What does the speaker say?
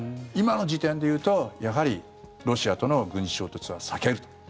今の時点でいうと、やはりロシアとの軍事衝突は避けると。